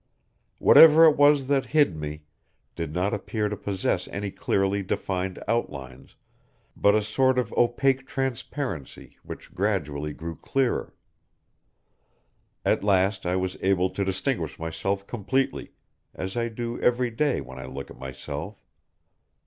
Whatever it was that hid me, did not appear to possess any clearly defined outlines, but a sort of opaque transparency, which gradually grew clearer. At last I was able to distinguish myself completely, as I do every day when I look at myself.